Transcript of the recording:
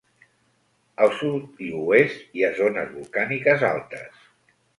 Al sud i oest hi ha zones volcàniques altes.